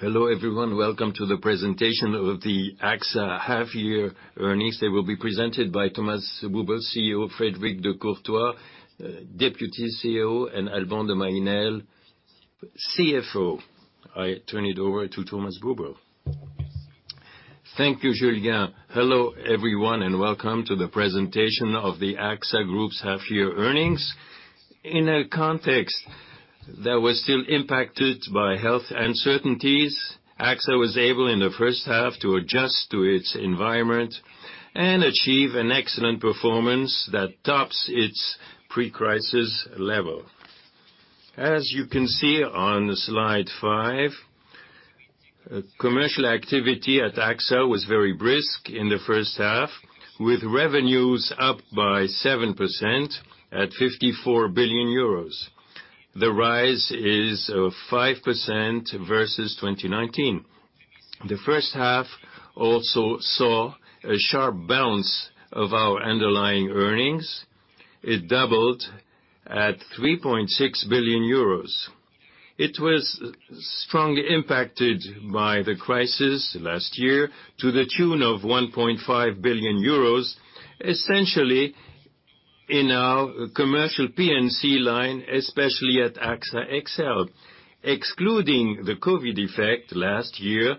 Hello, everyone. Welcome to the presentation of the AXA half-year earnings. They will be presented by Thomas Buberl, CEO, Frédéric de Courtois, Deputy CEO, and Alban de Mailly Nesle, CFO. I turn it over to Thomas Buberl. Thank you, Julian. Hello, everyone, and welcome to the presentation of the AXA Group's half-year earnings. In a context that was still impacted by health uncertainties, AXA was able, in the first half, to adjust to its environment and achieve an excellent performance that tops its pre-crisis level. As you can see on slide five, commercial activity at AXA was very brisk in the first half, with revenues up by 7% at 54 billion euros. The rise is 5% versus 2019. The first half also saw a sharp bounce of our underlying earnings. It doubled at 3.6 billion euros. It was strongly impacted by the crisis last year to the tune of 1.5 billion euros, essentially in our commercial P&C line, especially at AXA XL. Excluding the COVID effect last year,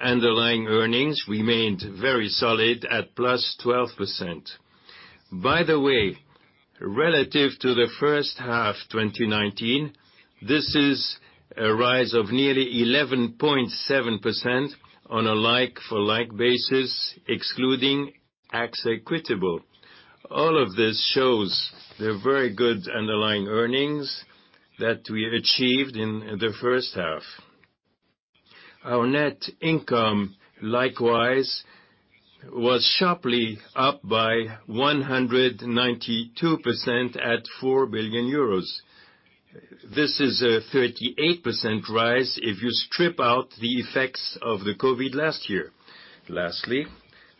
underlying earnings remained very solid at +12%. Relative to the first half 2019, this is a rise of nearly 11.7% on a like-for-like basis, excluding AXA Equitable. All of this shows the very good underlying earnings that we achieved in the first half. Our net income, likewise, was sharply up by 192% at 4 billion euros. This is a 38% rise if you strip out the effects of the COVID last year.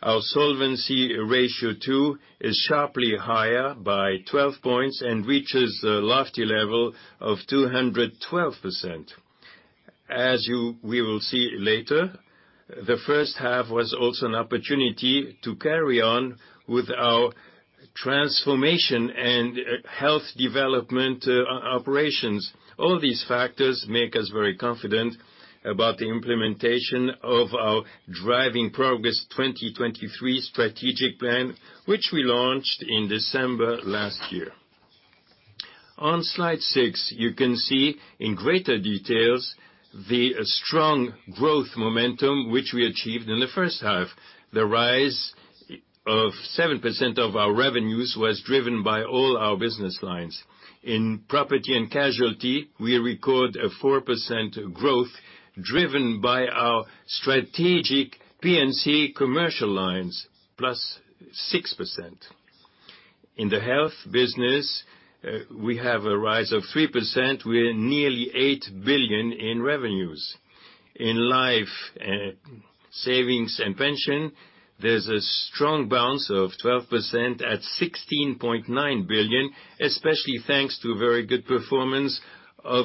Our solvency ratio, too, is sharply higher by 12 points and reaches the lofty level of 212%. As we will see later, the first half was also an opportunity to carry on with our transformation and health development operations. All these factors make us very confident about the implementation of our Driving Progress 2023 strategic plan, which we launched in December last year. On slide six, you can see in greater details the strong growth momentum which we achieved in the first half. The rise of 7% of our revenues was driven by all our business lines. In property and casualty, we record a 4% growth, driven by our strategic P&C commercial lines, +6%. In the health business, we have a rise of 3%, with nearly 8 billion in revenues. In life, savings, and pension, there's a strong bounce of 12% at 16.9 billion, especially thanks to very good performance of the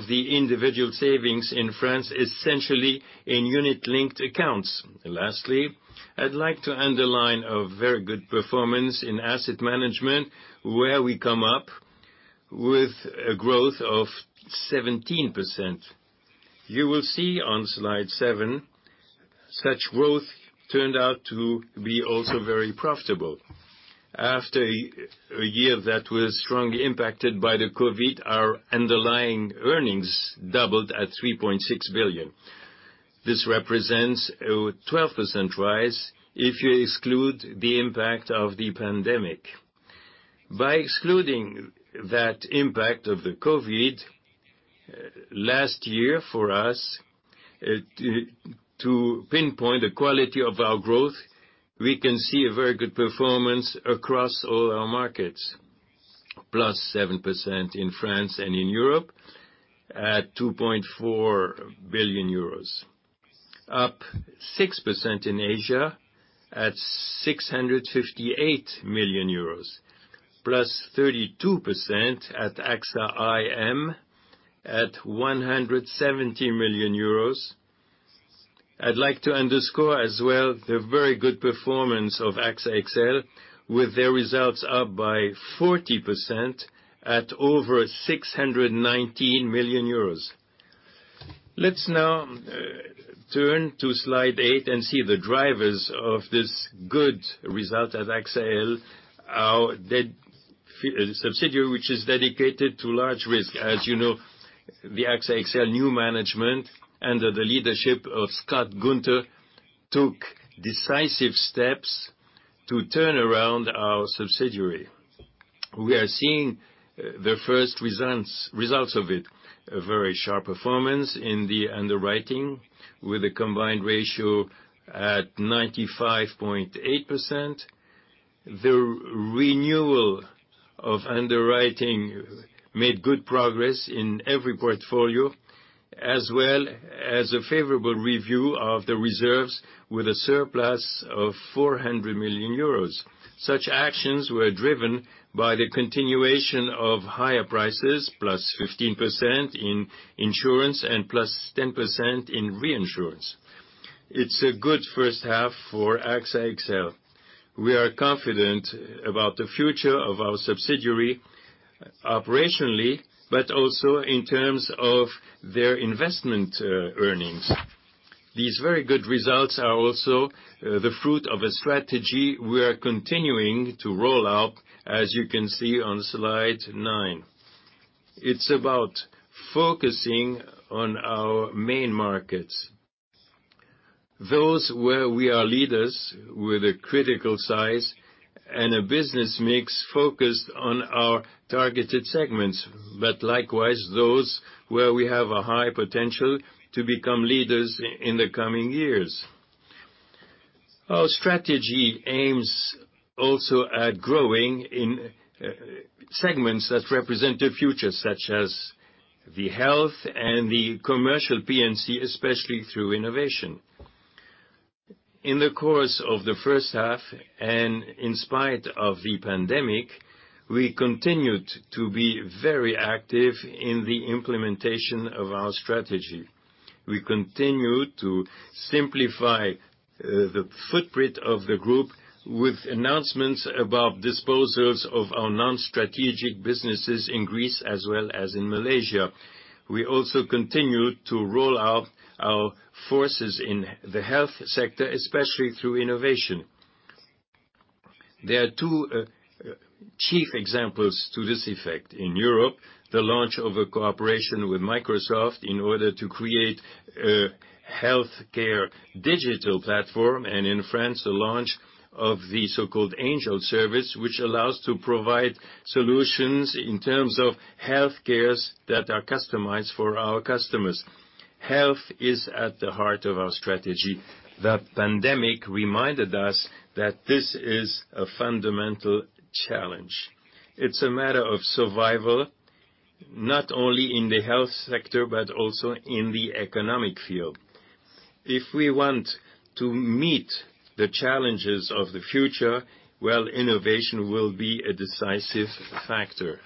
individual savings in France, essentially in unit-linked accounts. Lastly, I'd like to underline a very good performance in asset management, where we come up with a growth of 17%. You will see on slide seven, such growth turned out to be also very profitable. After a year that was strongly impacted by the COVID-19, our underlying earnings doubled at 3.6 billion. This represents a 12% rise if you exclude the impact of the pandemic. Excluding that impact of COVID-19, last year for us, to pinpoint the quality of our growth, we can see a very good performance across all our markets. +7% in France and in Europe at 2.4 billion euros, +6% in Asia at 658 million euros, +32% at AXA IM at 170 million euros. I'd like to underscore as well the very good performance of AXA XL, with their results +40% at over 619 million euros. Let's now turn to slide eight and see the drivers of this good result at AXA XL, our subsidiary which is dedicated to large risk. As you know, the AXA XL new management, under the leadership of Scott Gunter, took decisive steps to turn around our subsidiary. We are seeing the first results of it, a very sharp performance in the underwriting, with a combined ratio at 95.8%. The renewal of underwriting made good progress in every portfolio, as well as a favorable review of the reserves with a surplus of 400 million euros. Such actions were driven by the continuation of higher prices, plus 15% in insurance and plus 10% in reinsurance. It's a good first half for AXA XL. We are confident about the future of our subsidiary operationally, but also in terms of their investment earnings. These very good results are also the fruit of a strategy we are continuing to roll out, as you can see on slide nine. It's about focusing on our main markets. Those where we are leaders with a critical size and a business mix focused on our targeted segments. Likewise, those where we have a high potential to become leaders in the coming years. Our strategy aims also at growing in segments that represent the future, such as the health and the commercial P&C, especially through innovation. In spite of the pandemic, we continued to be very active in the implementation of our strategy. We continued to simplify the footprint of the Group with announcements about disposals of our non-strategic businesses in Greece as well as in Malaysia. We also continued to roll out our forces in the health sector, especially through innovation. There are two chief examples to this effect. In Europe, the launch of a cooperation with Microsoft in order to create a healthcare digital platform, and in France, the launch of the so-called Angel service, which allows to provide solutions in terms of healthcare that are customized for our customers. Health is at the heart of our strategy. The pandemic reminded us that this is a fundamental challenge. It's a matter of survival, not only in the health sector, but also in the economic field. If we want to meet the challenges of the future, well, innovation will be a decisive factor.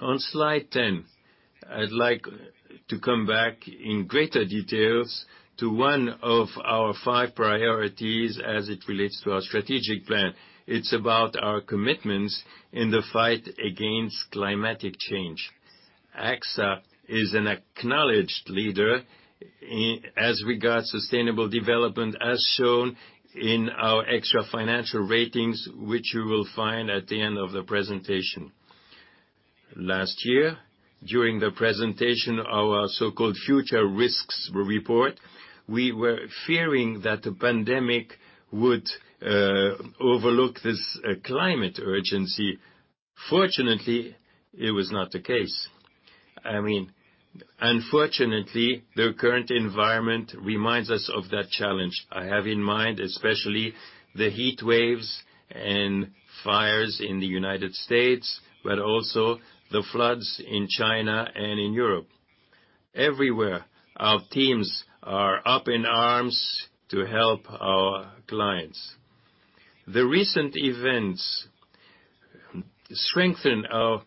On slide 10, I'd like to come back in greater details to one of our five priorities as it relates to our strategic plan. It's about our commitments in the fight against climatic change. AXA is an acknowledged leader as regards sustainable development, as shown in our extra financial ratings, which you will find at the end of the presentation. Last year, during the presentation, our so-called future risks report, we were fearing that the pandemic would overlook this climate urgency. Fortunately, it was not the case. Unfortunately, the current environment reminds us of that challenge. I have in mind, especially, the heat waves and fires in the U.S., but also the floods in China and in Europe. Everywhere, our teams are up in arms to help our clients. The recent events strengthen our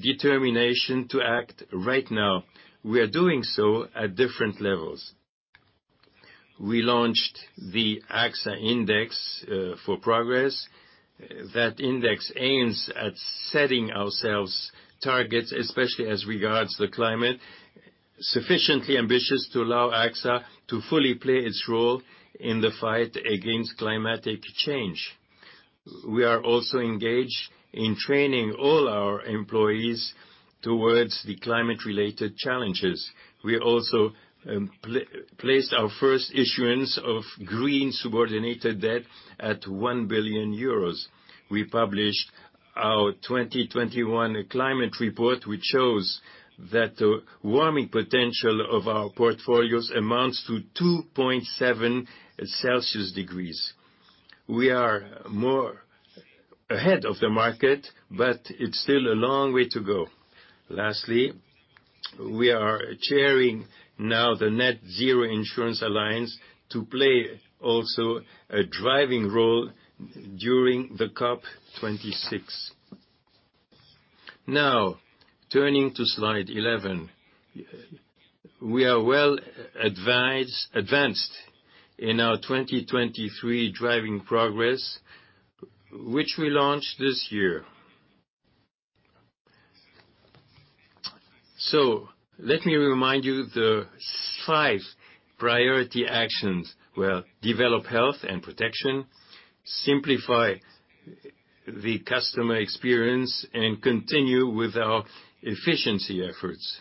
determination to act right now. We are doing so at different levels. We launched the AXA for Progress Index. That index aims at setting ourselves targets, especially as regards the climate, sufficiently ambitious to allow AXA to fully play its role in the fight against climatic change. We are also engaged in training all our employees towards the climate-related challenges. We also placed our first issuance of green subordinated debt at 1 billion euros. We published our 2021 climate report, which shows that the warming potential of our portfolios amounts to 2.7 degrees Celsius. We are more ahead of the market, but it's still a long way to go. Lastly, we are chairing now the Net-Zero Insurance Alliance to play also a driving role during the COP26. Turning to slide 11. We are well-advanced in our Driving Progress 2023, which we launched this year. Let me remind you the five priority actions were: develop health and protection, simplify the customer experience and continue with our efficiency efforts,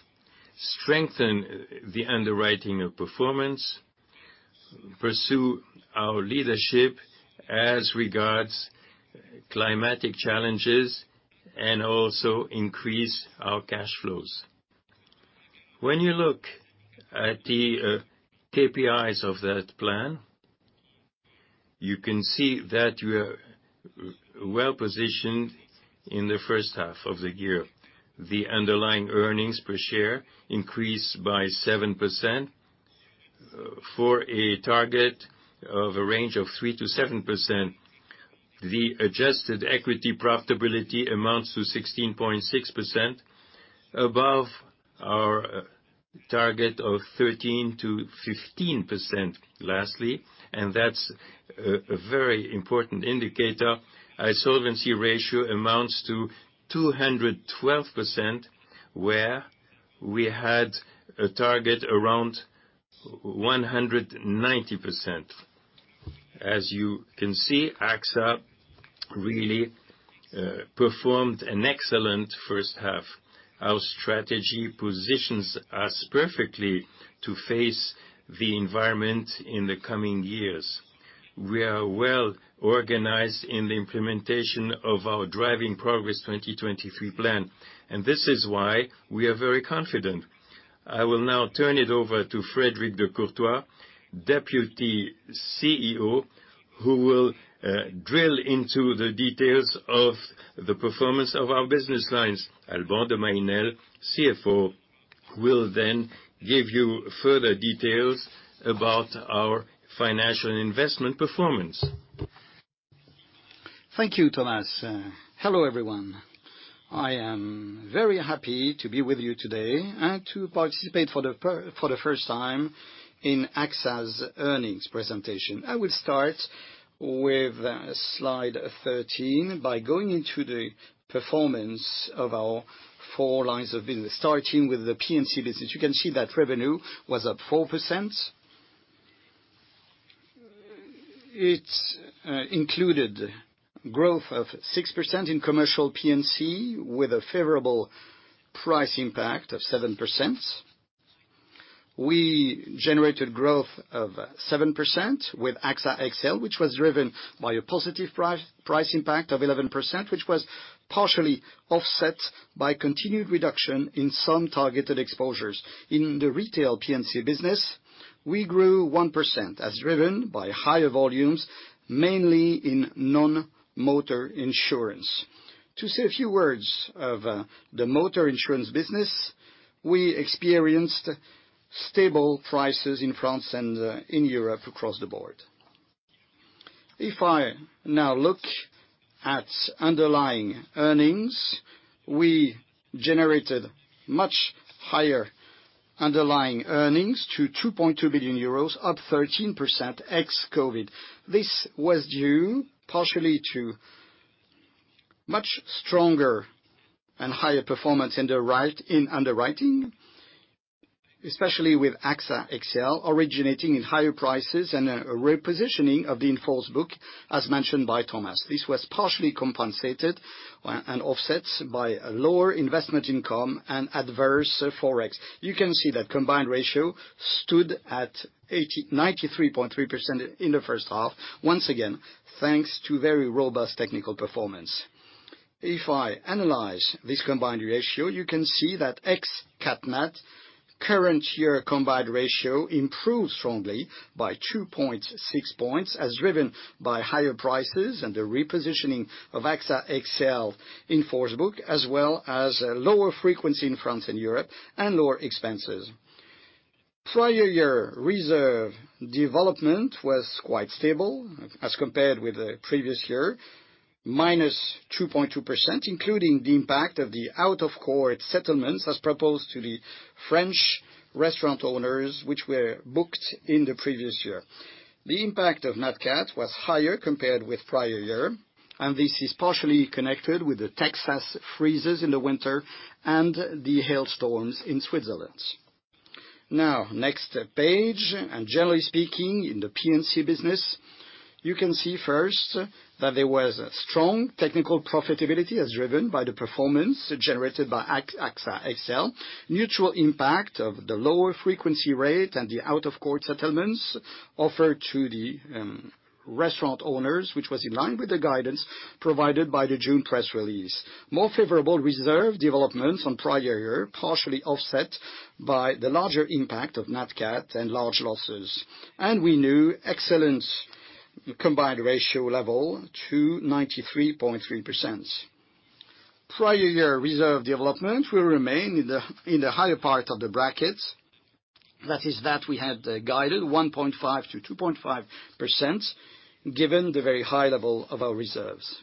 strengthen the underwriting of performance, pursue our leadership as regards climatic challenges, and also increase our cash flows. When you look at the KPIs of that plan, you can see that we are well-positioned in the first half of the year. The underlying earnings per share increased by 7% for a target of a range of 3%-7%. The adjusted equity profitability amounts to 16.6%, above our target of 13%-15%. Lastly, and that's a very important indicator, our solvency ratio amounts to 212%, where we had a target around 190%. As you can see, AXA really performed an excellent first half. Our strategy positions us perfectly to face the environment in the coming years. We are well organized in the implementation of our Driving Progress 2023 plan. This is why we are very confident. I will now turn it over to Frédéric de Courtois, Deputy CEO, who will drill into the details of the performance of our business lines. Alban de Mailly Nesle, CFO, will then give you further details about our financial investment performance. Thank you, Thomas. Hello, everyone. I am very happy to be with you today and to participate for the first time in AXA's earnings presentation. I will start with slide 13 by going into the performance of our four lines of business, starting with the P&C business. You can see that revenue was up 4%. It included growth of 6% in commercial P&C with a favorable price impact of 7%. We generated growth of 7% with AXA XL, which was driven by a positive price impact of 11%, which was partially offset by continued reduction in some targeted exposures. In the retail P&C business, we grew 1% as driven by higher volumes, mainly in non-motor insurance. To say a few words of the motor insurance business, we experienced stable prices in France and in Europe across the board. If I now look at underlying earnings, we generated much higher underlying earnings to 2.2 billion euros, up 13% ex-COVID. This was due partially to much stronger and higher performance in underwriting, especially with AXA XL originating in higher prices and a repositioning of the in-force book, as mentioned by Thomas. This was partially compensated and offset by a lower investment income and adverse Forex. You can see that combined ratio stood at 93.3% in the first half, once again, thanks to very robust technical performance. If I analyze this combined ratio, you can see that ex-nat cat current year combined ratio improved strongly by 2.6 points as driven by higher prices and the repositioning of AXA XL in-force book, as well as lower frequency in France and Europe, and lower expenses. Prior year reserve development was quite stable as compared with the previous year, -2.2%, including the impact of the out-of-court settlements as proposed to the French restaurant owners, which were booked in the previous year. The impact of nat cat was higher compared with prior year, this is partially connected with the Texas freezes in the winter and the hailstorms in Switzerland. Next page. Generally speaking, in the P&C business, you can see first that there was a strong technical profitability as driven by the performance generated by AXA XL. Mutual impact of the lower frequency rate and the out-of-court settlements offered to the restaurant owners, which was in line with the guidance provided by the June press release. More favorable reserve developments on prior year, partially offset by the larger impact of nat cat and large losses. We knew excellent combined ratio level to 93.3%. Prior year reserve development will remain in the higher part of the bracket. That is that we had guided 1.5%-2.5%, given the very high level of our reserves.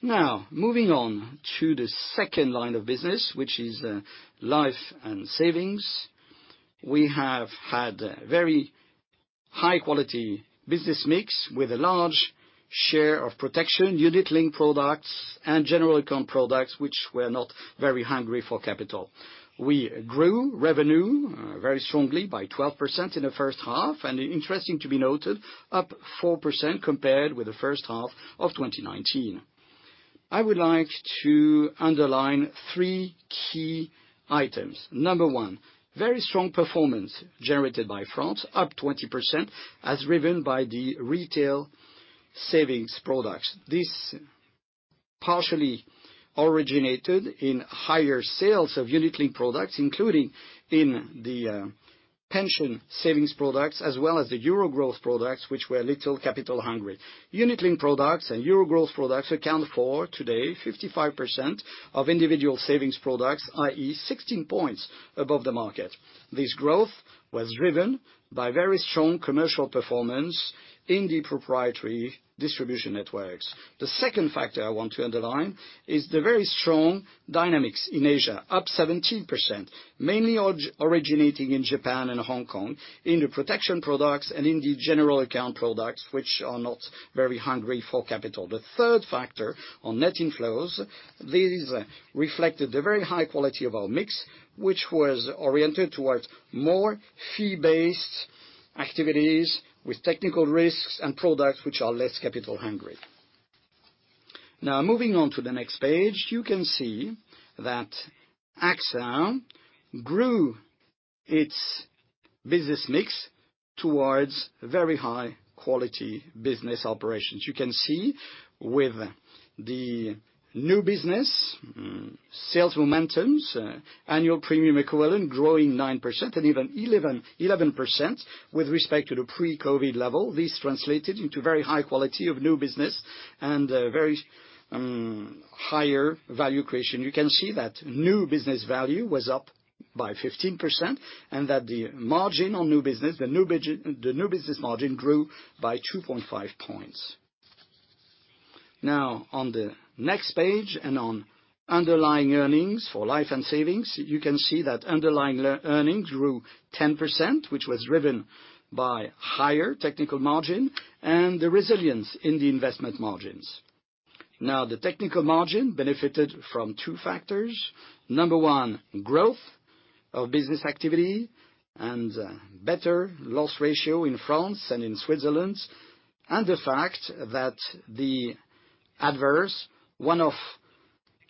Moving on to the second line of business, which is life and savings. We have had very high-quality business mix with a large share of protection, unit-linked products and general account products which were not very hungry for capital. We grew revenue very strongly by 12% in the first half, and interesting to be noted, up 4% compared with the first half of 2019. I would like to underline three key items. Number one, very strong performance generated by France, up 20%, as driven by the retail savings products. This partially originated in higher sales of unit-linked products, including in the pension savings products, as well as the Euro Growth products, which were a little capital hungry. Unit-linked products and Euro Growth products account for, today, 55% of individual savings products, i.e., 16 points above the market. This growth was driven by very strong commercial performance in the proprietary distribution networks. The second factor I want to underline is the very strong dynamics in Asia, up 17%, mainly originating in Japan and Hong Kong, in the protection products and in the general account products, which are not very hungry for capital. The third factor on net inflows, these reflected the very high quality of our mix, which was oriented towards more fee-based activities with technical risks and products which are less capital hungry. Moving on to the next page, you can see that AXA grew its business mix towards very high-quality business operations. You can see with the new business sales momentum, annual premium equivalent growing 9% and even 11% with respect to the pre-COVID-19 level. This translated into very high quality of new business and very higher value creation. You can see that New Business Value was up by 15% and that the margin on new business, the new business margin grew by 2.5 points. On the next page, on underlying earnings for life and savings, you can see that underlying earnings grew 10%, which was driven by higher technical margin and the resilience in the investment margins. The technical margin benefited from two factors. Number one, growth of business activity and better loss ratio in France and in Switzerland, and the fact that the adverse one-off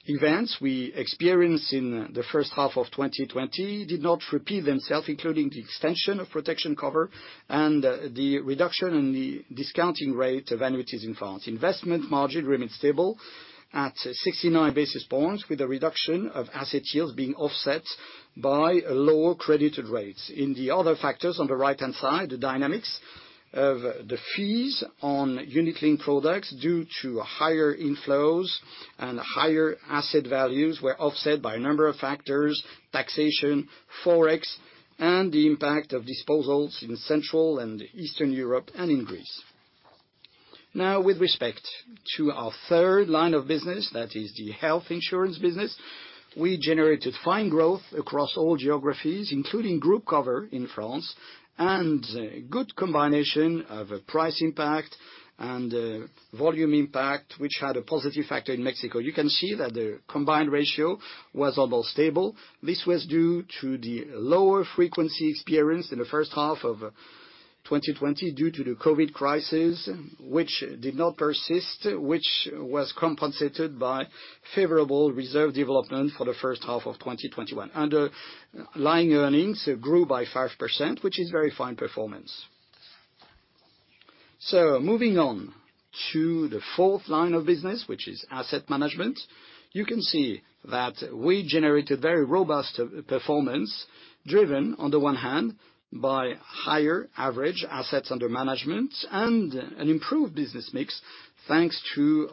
events we experienced in the first half of 2020 did not repeat themselves, including the extension of protection cover and the reduction in the discounting rate of annuities in France. Investment margin remains stable at 69 basis points, with a reduction of asset yields being offset by lower credited rates. The other factors on the right-hand side, the dynamics of the fees on unit-linked products due to higher inflows and higher asset values were offset by a number of factors, taxation, Forex, and the impact of disposals in Central and Eastern Europe and in Greece. With respect to our third line of business, that is the health insurance business, we generated fine growth across all geographies, including group cover in France, and good combination of price impact and volume impact, which had a positive factor in Mexico. You can see that the combined ratio was almost stable. This was due to the lower frequency experienced in the first half of 2020 due to the COVID crisis, which did not persist, which was compensated by favorable reserve development for the first half of 2021. Underlying earnings grew by 5%, which is very fine performance. Moving on to the fourth line of business, which is asset management. You can see that we generated very robust performance, driven, on the one hand, by higher average assets under management and an improved business mix, thanks to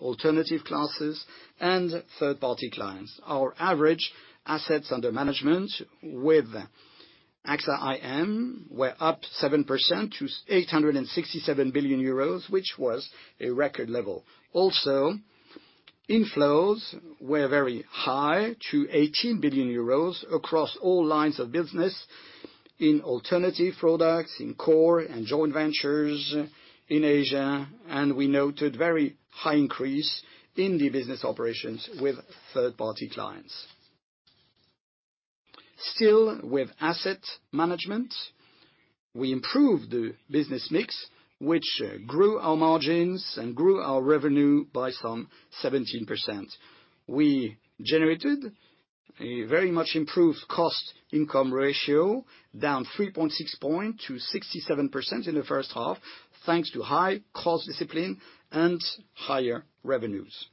alternative classes and third-party clients. Our average assets under management with AXA IM were up 7% to 867 billion euros, which was a record level. Inflows were very high, to 18 billion euros across all lines of business in alternative products, in core and joint ventures in Asia, and we noted very high increase in the business operations with third-party clients. With asset management, we improved the business mix, which grew our margins and grew our revenue by some 17%. We generated a very much improved cost income ratio, down 3.6 point to 67% in the first half, thanks to high cost discipline and higher revenues.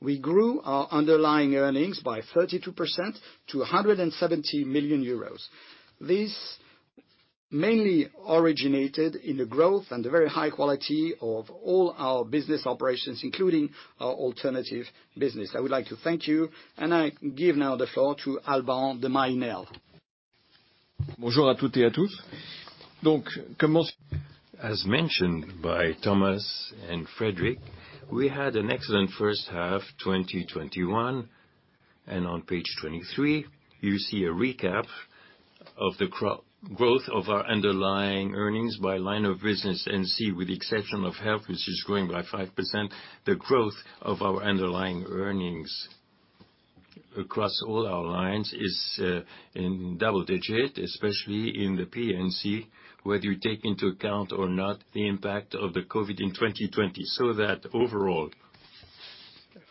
We grew our underlying earnings by 32% to 170 million euros. This mainly originated in the growth and the very high quality of all our business operations, including our alternative business. I would like to thank you, and I give now the floor to Alban de Mailly Nesle. As mentioned by Thomas and Frédéric, we had an excellent first half 2021. On page 23, you see a recap of the growth of our underlying earnings by line of business. See, with the exception of health, which is growing by 5%, the growth of our underlying earnings across all our lines is in double digit, especially in the P&C, whether you take into account or not the impact of the COVID in 2020. Overall,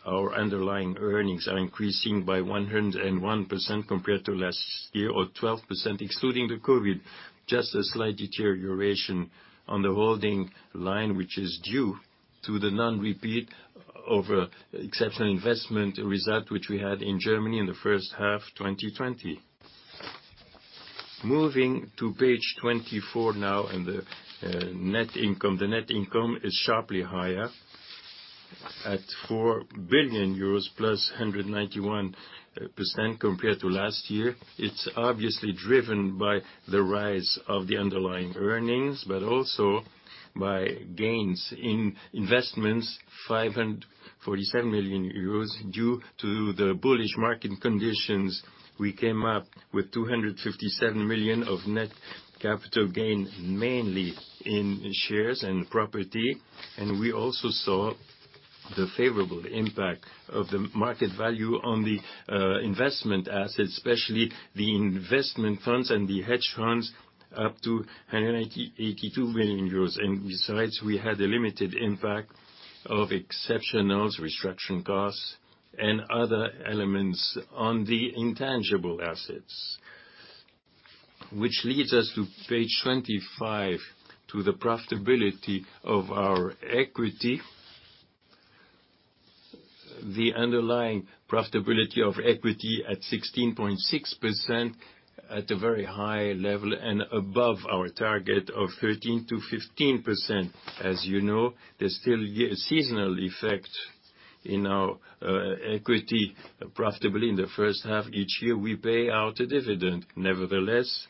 our underlying earnings are increasing by 101% compared to last year, or 12% excluding the COVID, just a slight deterioration on the holding line, which is due to the non-repeat of exceptional investment result which we had in Germany in the first half 2020. Moving to page 24 now, the net income. The net income is sharply higher at 4 billion euros, +191% compared to last year. It's obviously driven by the rise of the underlying earnings, also by gains in investments, 547 million euros, due to the bullish market conditions. We came up with 257 million of net capital gain, mainly in shares and property. We also saw the favorable impact of the market value on the investment assets, especially the investment funds and the hedge funds, up to 182 million euros. Besides, we had a limited impact of exceptionals, restructuring costs, and other elements on the intangible assets. Which leads us to page 25, to the profitability of our equity. The underlying profitability of equity at 16.6% at a very high level and above our target of 13%-15%. As you know, there's still a seasonal effect in our equity profitability in the first half each year, we pay out a dividend. Nevertheless,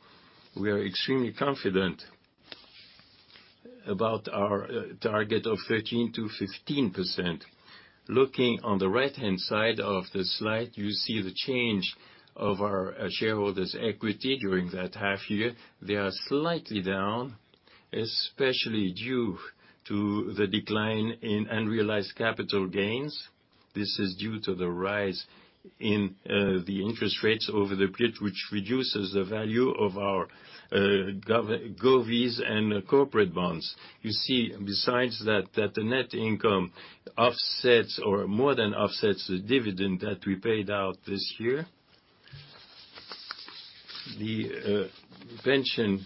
we are extremely confident about our target of 13%-15%. Looking on the right-hand side of the slide, you see the change of our shareholders' equity during that half year. They are slightly down, especially due to the decline in unrealized capital gains. This is due to the rise in the interest rates over the period, which reduces the value of our govies and corporate bonds. You see besides that the net income offsets or more than offsets the dividend that we paid out this year. The pension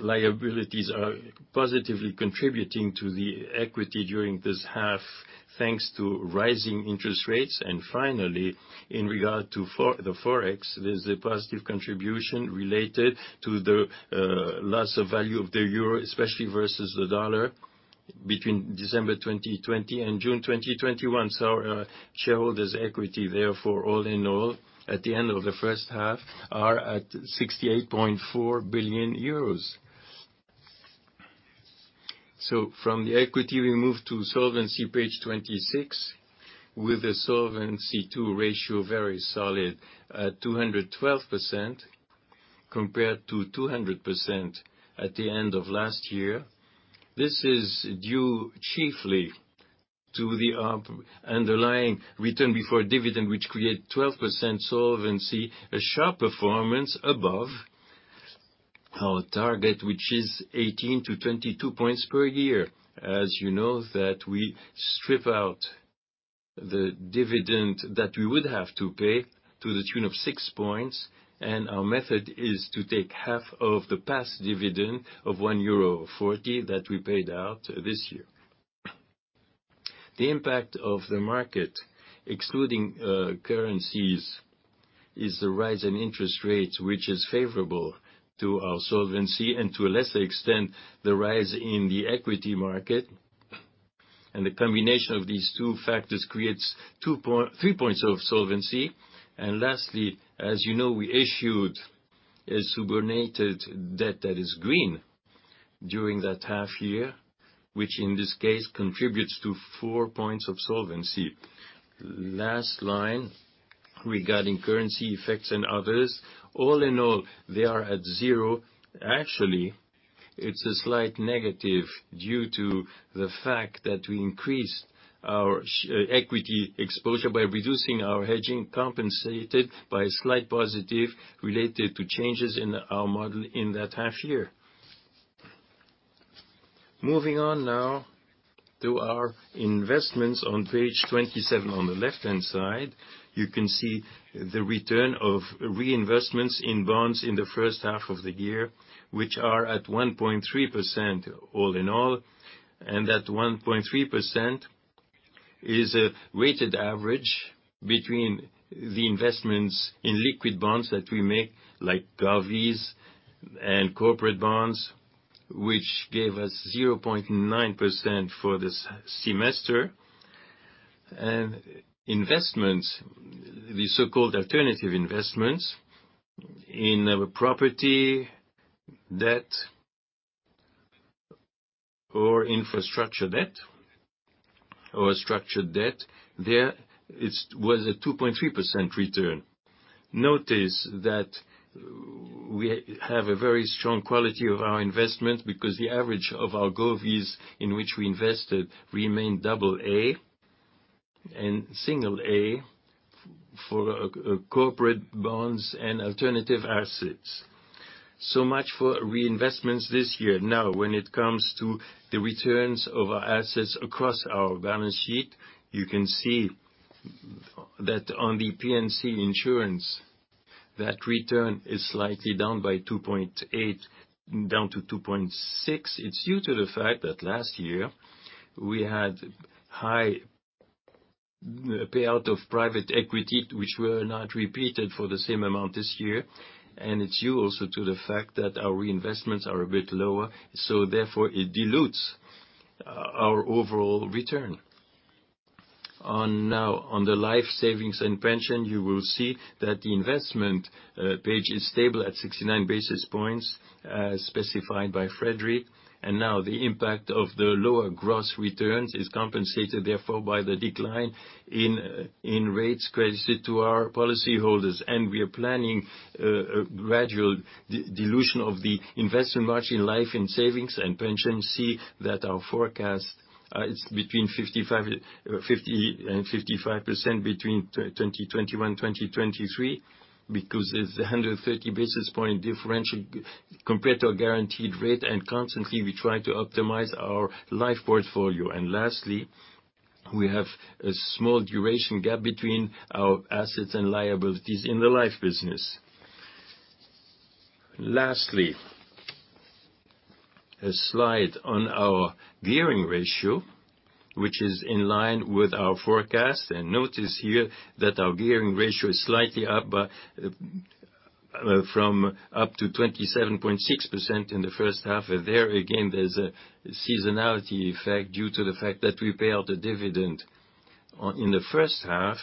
liabilities are positively contributing to the equity during this half, thanks to rising interest rates. Finally, in regard to the Forex, there's a positive contribution related to the loss of value of the euro, especially versus the dollar, between December 2020 and June 2021. Our shareholders' equity, therefore, all in all, at the end of the first half, are at 68.4 billion euros. From the equity, we move to solvency, page 26, with a Solvency II ratio very solid at 212% compared to 200% at the end of last year. This is due chiefly to the underlying return before dividend, which create 12% solvency, a sharp performance above our target, which is 18-22 points per year. As you know that we strip out the dividend that we would have to pay to the tune of six points, and our method is to take half of the past dividend of 1.40 euro that we paid out this year. The impact of the market, excluding currencies, is the rise in interest rates, which is favorable to our solvency and to a lesser extent, the rise in the equity market. The combination of these two factors creates three points of solvency. Lastly, as you know, we issued a subordinated debt that is green during that half year, which in this case contributes to four points of solvency. Last line regarding currency effects and others. All in all, they are at zero. Actually, it's a slight negative due to the fact that we increased our equity exposure by reducing our hedging, compensated by a slight positive related to changes in our model in that half year. Moving on now to our investments on page 27. On the left-hand side, you can see the return of reinvestments in bonds in the first half of the year, which are at 1.3% all in all. That 1.3% is a weighted average between the investments in liquid bonds that we make, like govies and corporate bonds, which gave us 0.9% for this semester, and investments, the so-called alternative investments in our property, debt or infrastructure debt or structured debt. There, it was a 2.3% return. Notice that we have a very strong quality of our investment because the average of our govies in which we invested remain AA, and A for corporate bonds and alternative assets. Much for reinvestments this year. When it comes to the returns of our assets across our balance sheet, you can see that on the P&C insurance, that return is slightly down by 2.8%, down to 2.6%. It's due to the fact that last year we had high payout of private equity, which were not repeated for the same amount this year. It's due also to the fact that our reinvestments are a bit lower, therefore it dilutes our overall return. Now, on the life savings and pension, you will see that the investment page is stable at 69 basis points, as specified by Frédéric. Now the impact of the lower gross returns is compensated, therefore, by the decline in rates credited to our policy holders. We are planning a gradual dilution of the investment margin in life and savings and pension. See that our forecast is between 50% and 55% between 2021, 2023, because there's 130 basis point differential compared to our guaranteed rate. Constantly we try to optimize our life portfolio. Lastly, we have a small duration gap between our assets and liabilities in the life business. Lastly, a slide on our gearing ratio, which is in line with our forecast. Notice here that our gearing ratio is slightly up, from up to 27.6% in the first half. There again, there's a seasonality effect due to the fact that we pay out a dividend in the first half.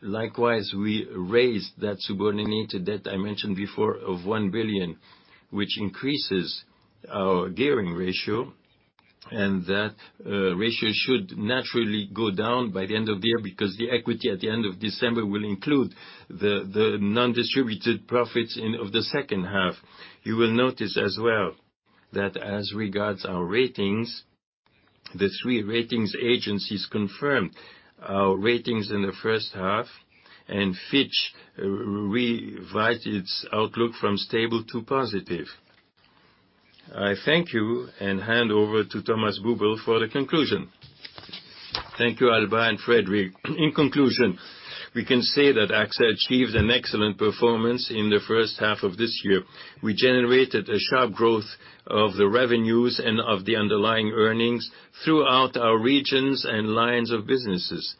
Likewise, we raised that subordinated debt I mentioned before of 1 billion, which increases our gearing ratio, and that ratio should naturally go down by the end of the year because the equity at the end of December will include the non-distributed profits of the second half. You will notice as well that as regards our ratings, the three ratings agencies confirmed our ratings in the first half, and Fitch revised its outlook from stable to positive. I thank you and hand over to Thomas Buberl for the conclusion. Thank you, Alban and Frédéric. In conclusion, we can say that AXA achieved an excellent performance in the first half of this year. We generated a sharp growth of the revenues and of the underlying earnings throughout our regions and lines of businesses.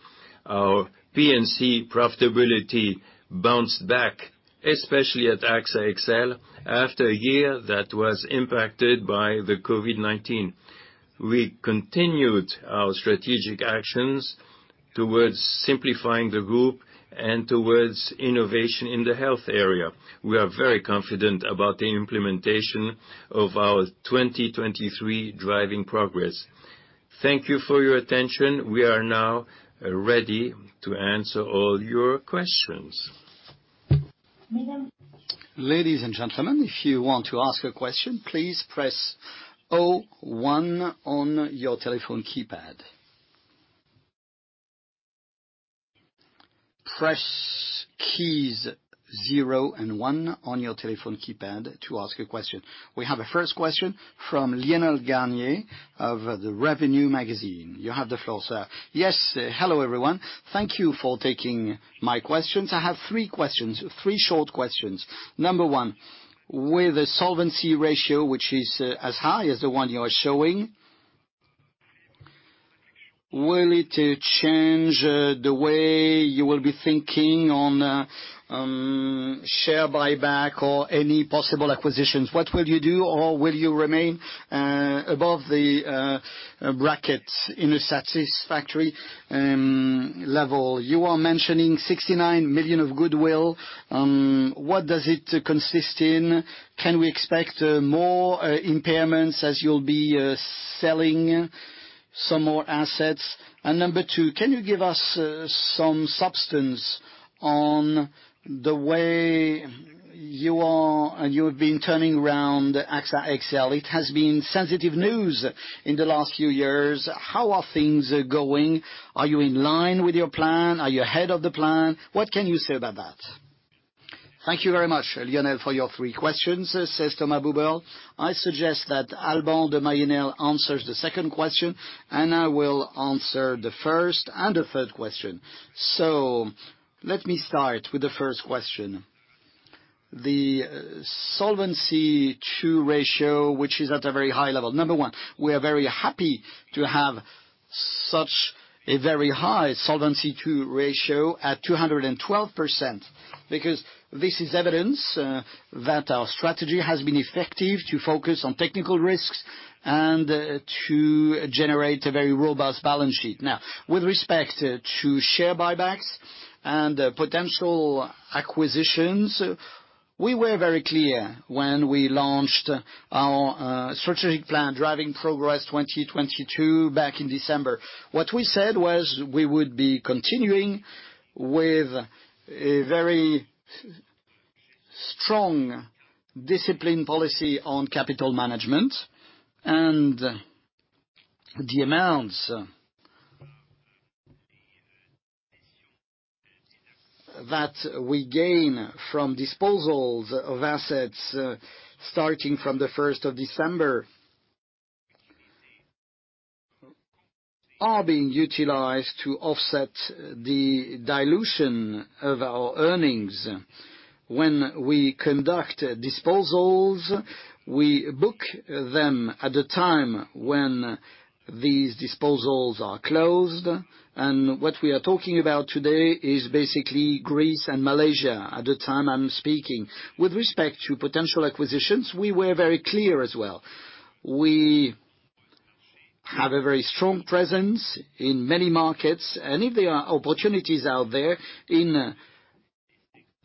Our P&C profitability bounced back, especially at AXA XL, after a year that was impacted by the COVID-19. We continued our strategic actions towards simplifying the group and towards innovation in the health area. We are very confident about the implementation of our Driving Progress 2023. Thank you for your attention. We are now ready to answer all your questions. Ladies and gentlemen, if you want to ask a question, please press zero one on your telephone keypad. Press keys zero and one on your telephone keypad to ask a question. We have a first question from Lionel Garnier of Le Revenu magazine. You have the floor, sir. Yes. Hello, everyone. Thank you for taking my questions. I have three questions, three short questions. Number one, with the solvency ratio, which is as high as the one you are showing, will it change the way you will be thinking on share buyback or any possible acquisitions? What will you do, or will you remain above the brackets in a satisfactory level? You are mentioning 69 million of goodwill. What does it consist in? Can we expect more impairments as you'll be selling some more assets? Number two, can you give us some substance on the way you are, and you've been turning around AXA XL. It has been sensitive news in the last few years. How are things going? Are you in line with your plan? Are you ahead of the plan? What can you say about that? Thank you very much, Lionel, for your three questions, says Thomas Buberl. I suggest that Alban de Mailly Nesle answers the second question, I will answer the first and the third question. Let me start with the first question. The Solvency II ratio, which is at a very high level. Number one, we are very happy to have such a very high Solvency II ratio at 212%, because this is evidence that our strategy has been effective to focus on technical risks and to generate a very robust balance sheet. Now, with respect to share buybacks and potential acquisitions, we were very clear when we launched our strategic plan, Driving Progress 2023, back in December. What we said was we would be continuing with a very strong discipline policy on capital management. The amounts that we gain from disposals of assets, starting from the 1st of December are being utilized to offset the dilution of our earnings. When we conduct disposals, we book them at the time when these disposals are closed. What we are talking about today is basically Greece and Malaysia at the time I'm speaking. With respect to potential acquisitions, we were very clear as well. We have a very strong presence in many markets, and if there are opportunities out there in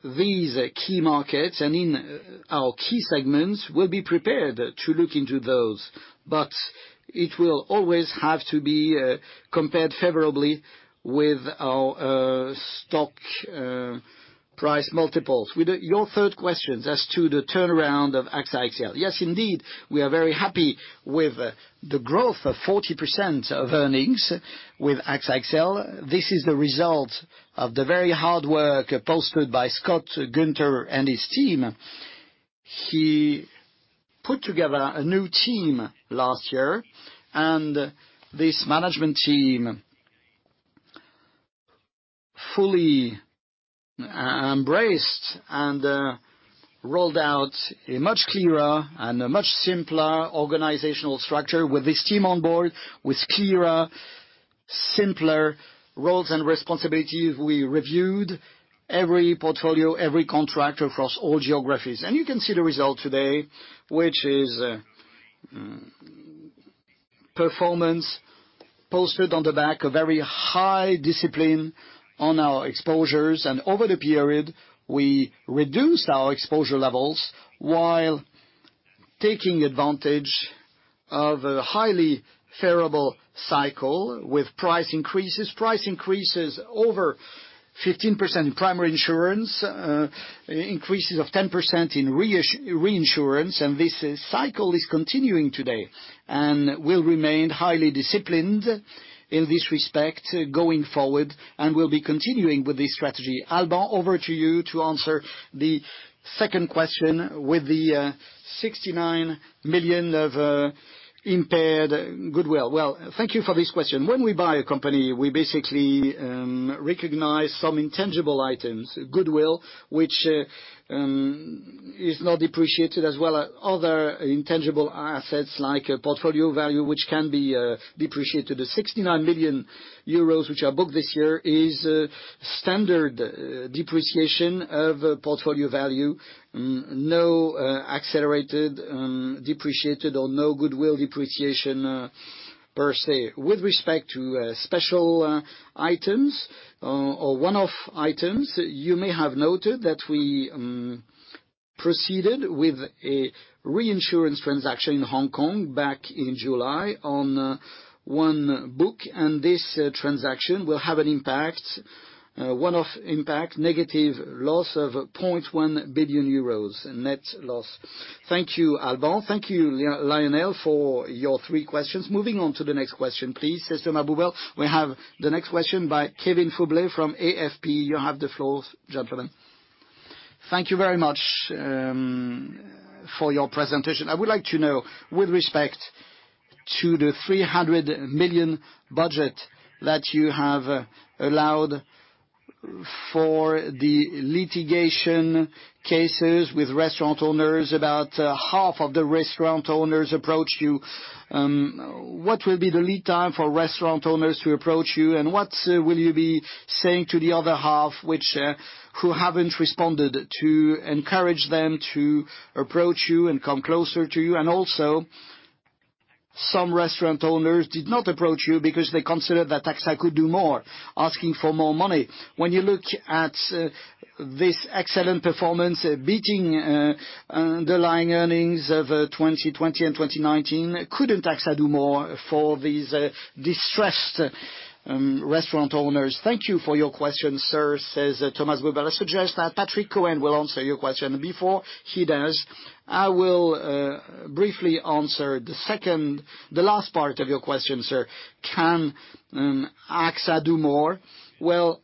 these key markets and in our key segments, we'll be prepared to look into those. It will always have to be compared favorably with our stock price multiples. With your third question as to the turnaround of AXA XL. Yes, indeed, we are very happy with the growth of 40% of earnings with AXA XL. This is the result of the very hard work posted by Scott Gunter and his team. He put together a new team last year. This management team fully embraced and rolled out a much clearer and a much simpler organizational structure with this team on board, with clearer, simpler roles and responsibilities. We reviewed every portfolio, every contract across all geographies. You can see the result today, which is performance posted on the back of very high discipline on our exposures. Over the period, we reduced our exposure levels while taking advantage of a highly favorable cycle with price increases. Price increases over 15% in primary insurance, increases of 10% in reinsurance. This cycle is continuing today and will remain highly disciplined in this respect going forward, and we'll be continuing with this strategy. Alban, over to you to answer the second question with the 69 million of impaired goodwill. Well, thank you for this question. When we buy a company, we basically recognize some intangible items, goodwill, which is not depreciated, as well as other intangible assets like portfolio value, which can be depreciated. The 69 million euros which are booked this year is standard depreciation of portfolio value. No accelerated, depreciated, or no goodwill depreciation per se. With respect to special items or one-off items, you may have noted that we proceeded with a reinsurance transaction in Hong Kong back in July on one book. This transaction will have a one-off impact, negative loss of 0.1 billion euros net loss. Thank you, Alban. Thank you, Lionel, for your three questions. Moving on to the next question, please. Says Thomas Buberl. We have the next question by Kevin Fublé from AFP. You have the floor, gentlemen. Thank you very much for your presentation. I would like to know, with respect to the 300 million budget that you have allowed for the litigation cases with restaurant owners. About half of the restaurant owners approached you. What will be the lead time for restaurant owners to approach you? What will you be saying to the other half who haven't responded to encourage them to approach you and come closer to you? Also, some restaurant owners did not approach you because they considered that AXA could do more, asking for more money. When you look at this excellent performance, beating underlying earnings of 2020 and 2019, couldn't AXA do more for these distressed restaurant owners? Thank you for your question, sir. Says Thomas Buberl. I suggest that Patrick Cohen will answer your question. Before he does, I will briefly answer the last part of your question, sir. Can AXA do more? Well,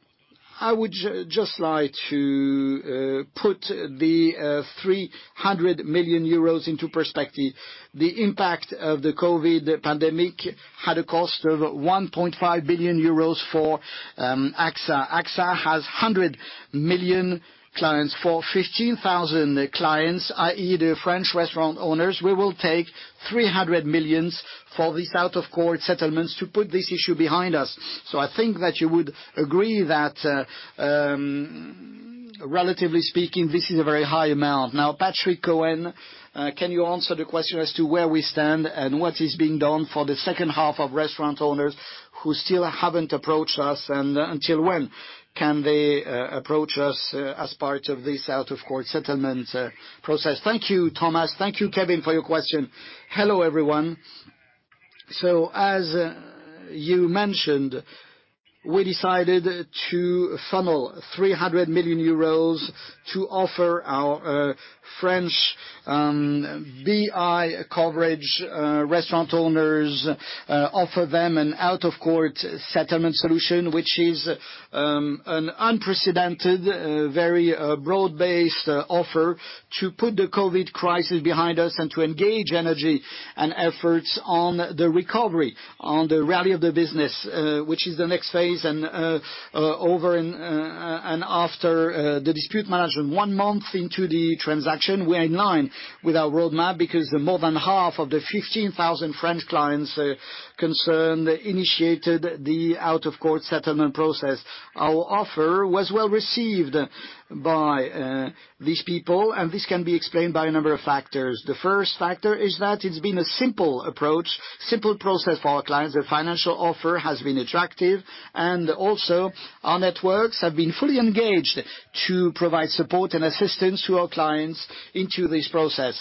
I would just like to put the 300 million euros into perspective. The impact of the COVID pandemic had a cost of 1.5 billion euros for AXA. AXA has 100 million clients. For 15,000 clients, i.e. the French restaurant owners, we will take 300 millions for these out-of-court settlements to put this issue behind us. I think that you would agree that, relatively speaking, this is a very high amount. Now, Patrick Cohen, can you answer the question as to where we stand and what is being done for the second half of restaurant owners who still haven't approached us, and until when can they approach us as part of this out-of-court settlement process. Thank you, Thomas. Thank you, Kevin, for your question. Hello, everyone. As you mentioned, we decided to funnel 300 million euros to offer our French BI coverage restaurant owners, offer them an out-of-court settlement solution, which is an unprecedented, very broad-based offer to put the COVID crisis behind us and to engage energy and efforts on the recovery, on the rally of the business, which is the next phase. After the dispute management, one month into the transaction, we're in line with our roadmap because more than half of the 15,000 French clients concerned initiated the out-of-court settlement process. Our offer was well-received by these people, and this can be explained by a number of factors. The first factor is that it's been a simple approach, simple process for our clients. The financial offer has been attractive, and also our networks have been fully engaged to provide support and assistance to our clients into this process.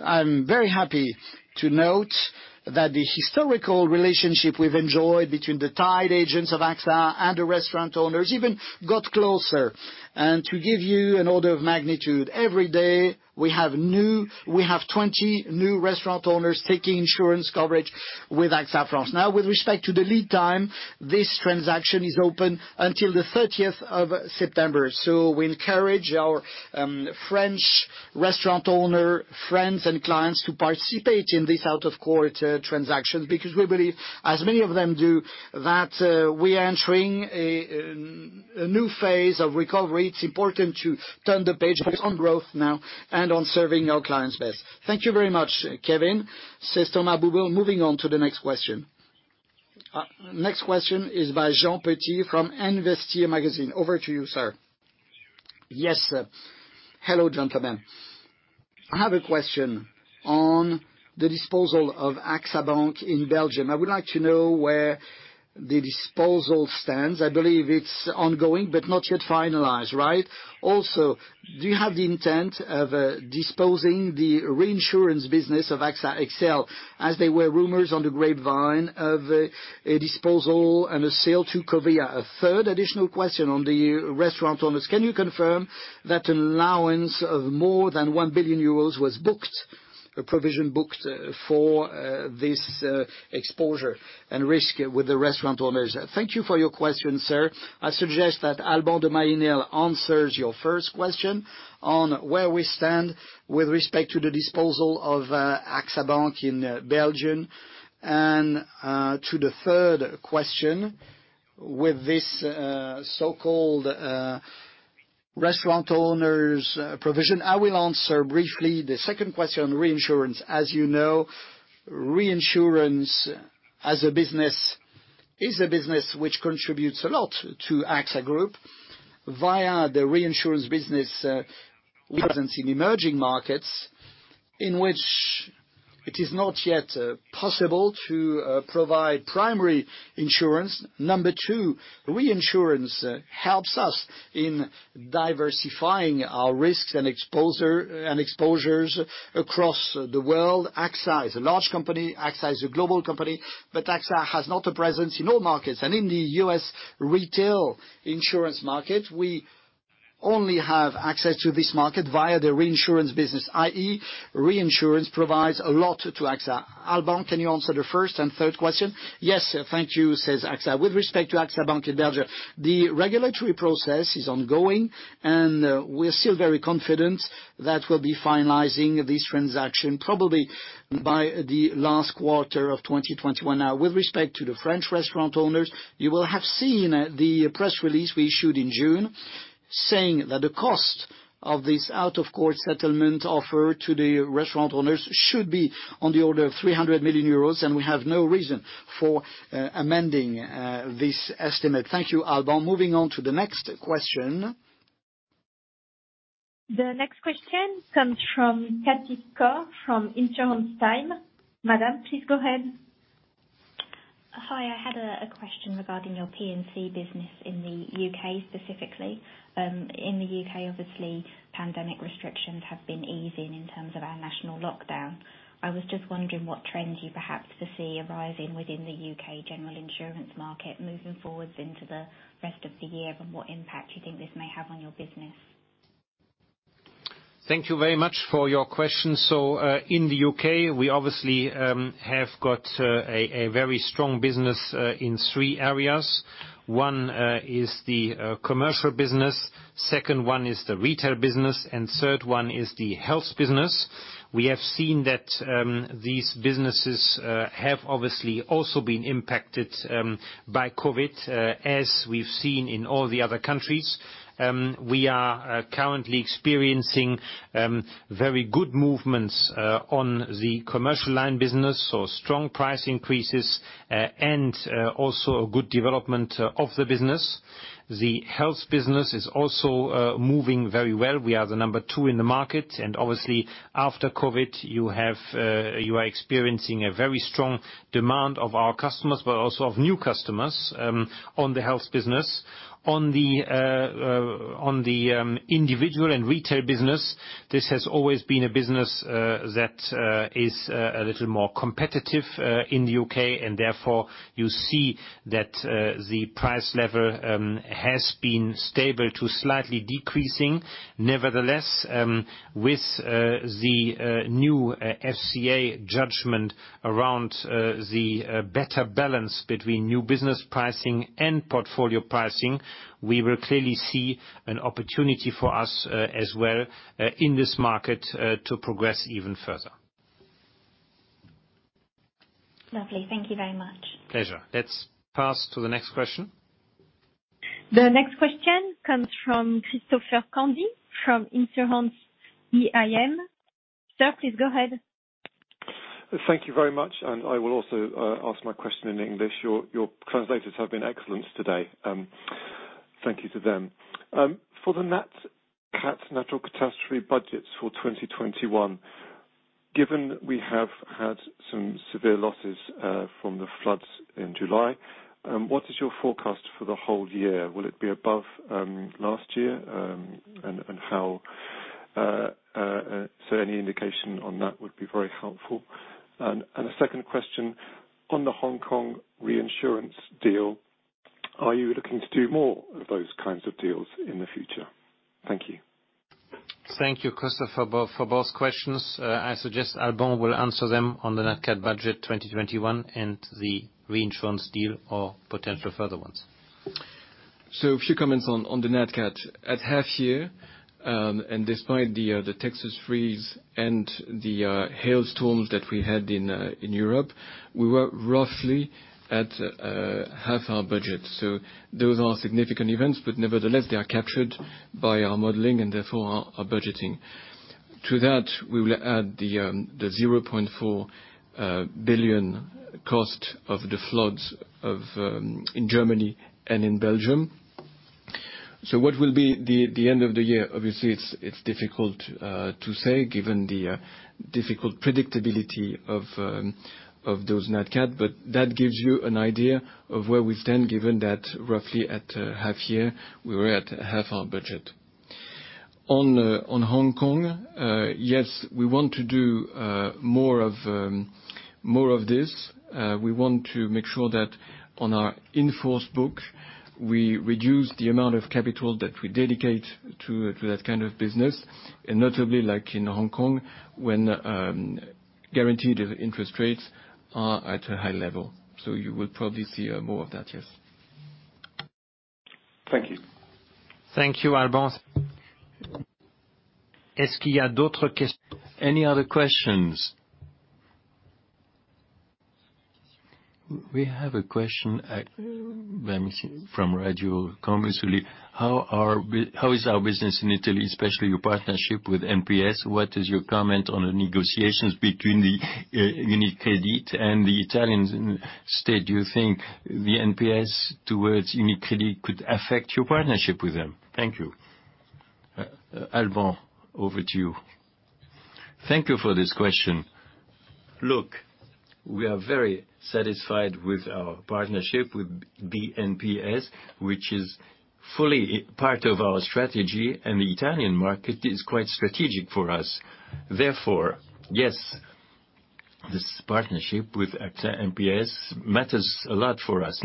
I'm very happy to note that the historical relationship we've enjoyed between the tied agents of AXA and the restaurant owners even got closer. To give you an order of magnitude, every day, we have 20 new restaurant owners taking insurance coverage with AXA France. With respect to the lead time, this transaction is open until the 30th of September. We encourage our French restaurant owner friends and clients to participate in this out-of-court transaction because we believe, as many of them do, that we are entering a new phase of recovery. It's important to turn the page, focus on growth now, and on serving our clients best. Thank you very much, Kevin. Says Thomas Buberl. Moving on to the next question. Next question is by Jean Petit from Investir Magazine. Over to you, sir. Yes, sir. Hello, gentlemen. I have a question on the disposal of AXA Bank Belgium. I would like to know where the disposal stands. I believe it's ongoing, but not yet finalized. Right? Do you have the intent of disposing the reinsurance business of AXA XL, as there were rumors on the grapevine of a disposal and a sale to Covéa. A third additional question on the restaurant owners. Can you confirm that an allowance of more than 1 billion euros was provision booked for this exposure and risk with the restaurant owners? Thank you for your question, sir. I suggest that Alban de Mailly Nesle answers your first question on where we stand with respect to the disposal of AXA Bank Belgium, and to the third question with this so-called restaurant owners provision. I will answer briefly the second question, reinsurance. As you know, reinsurance is a business which contributes a lot to AXA Group via the reinsurance business presence in emerging markets in which it is not yet possible to provide primary insurance. Number two, reinsurance helps us in diversifying our risks and exposures across the world. AXA is a large company. AXA is a global company, AXA has not a presence in all markets. In the U.S. retail insurance market, we only have access to this market via the reinsurance business, i.e., reinsurance provides a lot to AXA. Alban, can you answer the first and third question? Yes, thank you, says Alban. With respect to AXA Bank Belgium, the regulatory process is ongoing, We're still very confident that we'll be finalizing this transaction probably by the last quarter of 2021. With respect to the French restaurant owners, you will have seen the press release we issued in June saying that the cost of this out-of-court settlement offer to the restaurant owners should be on the order of 300 million euros, and we have no reason for amending this estimate. Thank you, Alban. Moving on to the next question. The next question comes from Katie Scott from Insurance Times. Madame, please go ahead. Hi. I had a question regarding your P&C business in the U.K. specifically. In the U.K., obviously, pandemic restrictions have been easing in terms of our national lockdown. I was just wondering what trends you perhaps foresee arising within the U.K. general insurance market moving forwards into the rest of the year, and what impact you think this may have on your business. Thank you very much for your question. In the U.K., we obviously have got a very strong business in three areas. One is the commercial business, second one is the retail business, and third one is the health business. We have seen that these businesses have obviously also been impacted by COVID, as we've seen in all the other countries. We are currently experiencing very good movements on the commercial line business, so strong price increases and also a good development of the business. The health business is also moving very well. We are the number two in the market, and obviously, after COVID, you are experiencing a very strong demand of our customers, but also of new customers on the health business. On the individual and retail business, this has always been a business that is a little more competitive in the U.K., and therefore, you see that the price level has been stable to slightly decreasing. Nevertheless, with the new FCA judgment around the better balance between new business pricing and portfolio pricing, we will clearly see an opportunity for us as well in this market to progress even further. Lovely. Thank you very much. Pleasure. Let's pass to the next question. The next question comes from Christopher Cundy from InsuranceERM. Sir, please go ahead. Thank you very much. I will also ask my question in English. Your translators have been excellent today. Thank you to them. For the nat cat natural catastrophe budgets for 2021, given we have had some severe losses from the floods in July, what is your forecast for the whole year? Will it be above last year? How? Any indication on that would be very helpful. A second question on the Hong Kong reinsurance deal, are you looking to do more of those kinds of deals in the future? Thank you. Thank you, Christopher, for both questions. I suggest Alban will answer them on the nat cat budget 2021 and the reinsurance deal or potential further ones. A few comments on the nat cat. At half year, and despite the Texas freeze and the hailstorms that we had in Europe, we were roughly at half our budget. Those are significant events, but nevertheless, they are captured by our modeling and therefore our budgeting. To that, we will add the 0.4 billion cost of the floods in Germany and in Belgium. What will be the end of the year? Obviously, it is difficult to say given the difficult predictability of those nat cat, but that gives you an idea of where we stand, given that roughly at half year, we were at half our budget. On Hong Kong, yes, we want to do more of this. We want to make sure that on our in-force book, we reduce the amount of capital that we dedicate to that kind of business, and notably like in Hong Kong, when guaranteed interest rates are at a high level. You will probably see more of that, yes. Thank you. Thank you, Alban. Any other questions? We have a question from Radio Classique. How is our business in Italy, especially your partnership with MPS? What is your comment on the negotiations between UniCredit and the Italian state? Do you think the MPS towards UniCredit could affect your partnership with them? Thank you. Alban, over to you. Thank you for this question. Look, we are very satisfied with our partnership with the MPS, which is fully part of our strategy, and the Italian market is quite strategic for us. Yes, this partnership with AXA MPS matters a lot for us.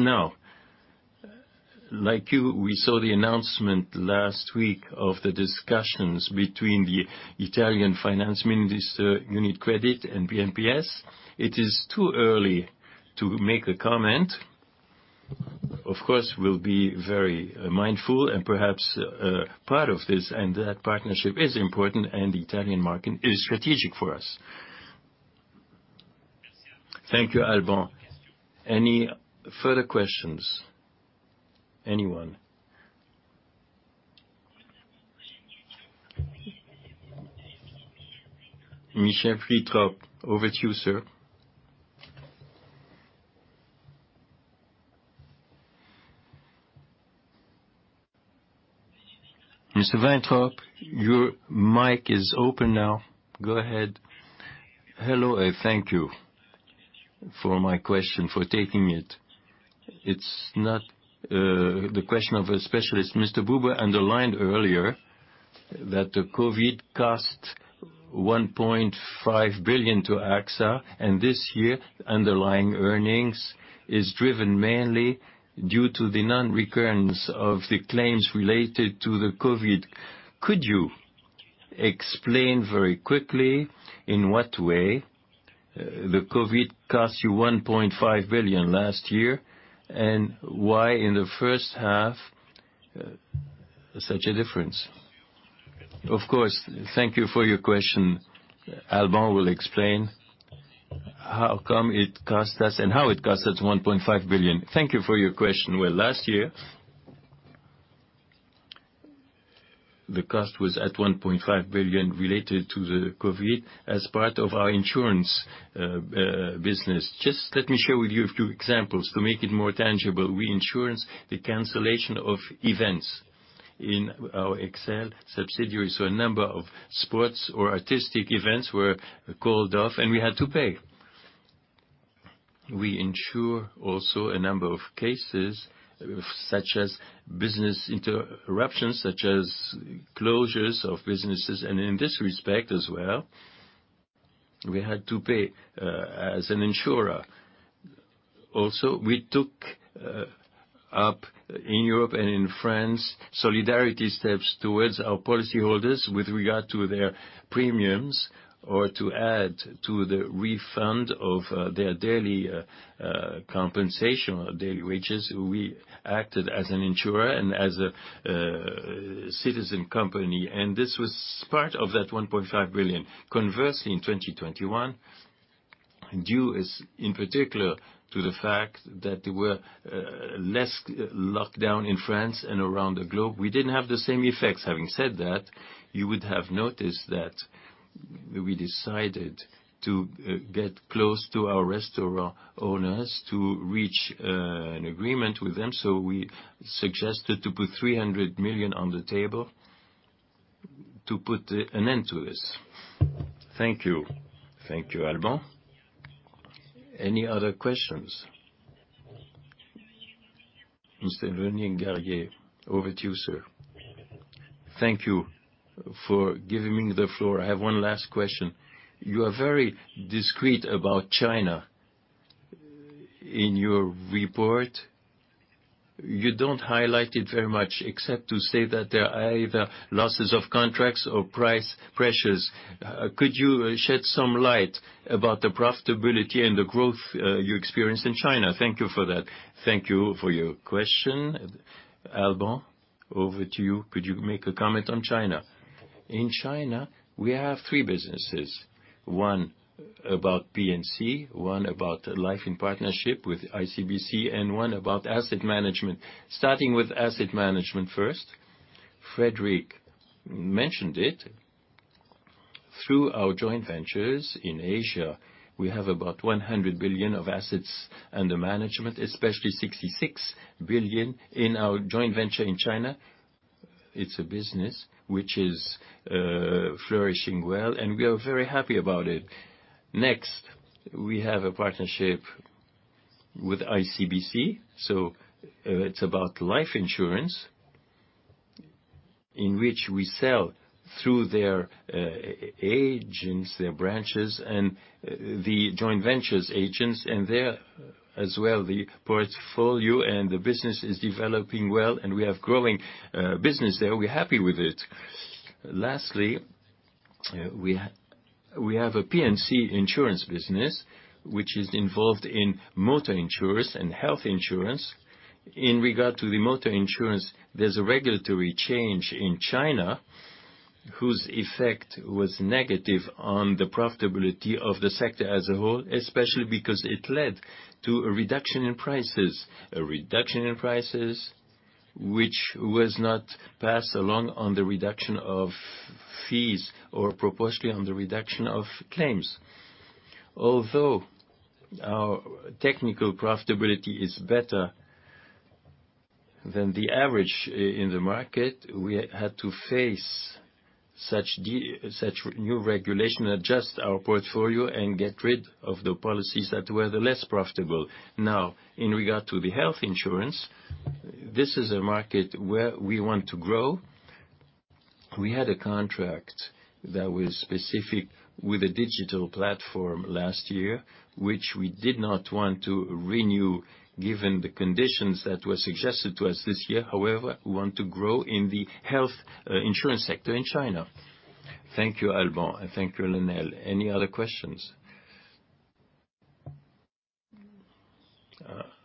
Like you, we saw the announcement last week of the discussions between the Italian finance minister, UniCredit, and BMPS. It is too early to make a comment. Of course, we will be very mindful and perhaps part of this, and that partnership is important and the Italian market is strategic for us. Thank you, Alban. Any further questions? Anyone? Michel Fritrap, over to you, sir. Mr. Fritrap, your mic is open now. Go ahead. Hello, thank you for my question, for taking it. It is not the question of a specialist. Mr. Buberl underlined earlier that the COVID cost 1.5 billion to AXA, and this year, underlying earnings is driven mainly due to the non-recurrence of the claims related to the COVID. Could you explain very quickly in what way the COVID cost you 1.5 billion last year, and why in the first half such a difference? Of course. Thank you for your question. Alban will explain how come it cost us and how it cost us 1.5 billion. Thank you for your question. Well, last year, the cost was at 1.5 billion related to the COVID as part of our insurance business. Just let me share with you a few examples to make it more tangible. We insurance the cancellation of events in our XL subsidiaries, so a number of sports or artistic events were called off and we had to pay. We insure also a number of cases, such as business interruptions, such as closures of businesses, and in this respect as well, we had to pay as an insurer. Also, we took up in Europe and in France, solidarity steps towards our policyholders with regard to their premiums or to add to the refund of their daily compensation or daily wages. We acted as an insurer and as a citizen company, and this was part of that 1.5 billion. Conversely, in 2021, due, in particular, to the fact that there were less lockdown in France and around the globe, we didn't have the same effects. Having said that, you would have noticed that we decided to get close to our restaurant owners to reach an agreement with them. We suggested to put 300 million on the table to put an end to this. Thank you. Thank you, Alban. Any other questions? Mr. Rémy Garguet, over to you, sir. Thank you for giving me the floor. I have one last question. You are very discreet about China. In your report, you don't highlight it very much except to say that there are either losses of contracts or price pressures. Could you shed some light about the profitability and the growth you experienced in China? Thank you for that. Thank you for your question. Alban, over to you. Could you make a comment on China? In China, we have three businesses. One about P&C, one about life in partnership with ICBC, and one about asset management. Starting with asset management first, Frédéric mentioned it. Through our joint ventures in Asia, we have about 100 billion of assets under management, especially 66 billion in our joint venture in China. It's a business which is flourishing well, and we are very happy about it. We have a partnership with ICBC, so it's about life insurance, in which we sell through their agents, their branches, and the joint ventures agents. There, as well, the portfolio and the business is developing well, and we have growing business there. We're happy with it. Lastly, we have a P&C insurance business, which is involved in motor insurance and health insurance. In regard to the motor insurance, there's a regulatory change in China whose effect was negative on the profitability of the sector as a whole, especially because it led to a reduction in prices. A reduction in prices, which was not passed along on the reduction of fees or proportionally on the reduction of claims. Although our technical profitability is better than the average in the market, we had to face such new regulation, adjust our portfolio, and get rid of the policies that were the less profitable. In regard to the health insurance, this is a market where we want to grow. We had a contract that was specific with a digital platform last year, which we did not want to renew given the conditions that were suggested to us this year. We want to grow in the health insurance sector in China. Thank you, Alban, thank you, Remy. Any other questions?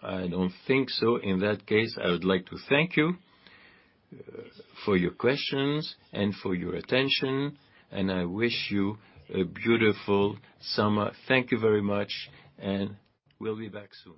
I don't think so. In that case, I would like to thank you for your questions and for your attention. I wish you a beautiful summer. Thank you very much. We'll be back soon.